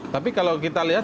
tapi kalau kita lihat